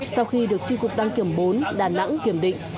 sau khi được tri cục đăng kiểm bốn đà nẵng kiểm định